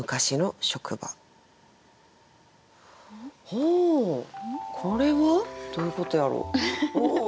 ほうこれは？どういうことやろ。